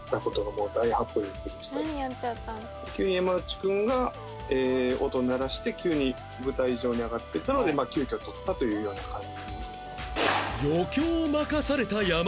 急に山内君が音を鳴らして急に舞台上に上がっていったので急遽撮ったというような感じ。